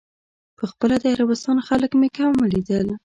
په خپله د عربستان خلک مې کم ولیدل.